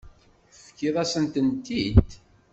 Tefkiḍ-asent-tent-id.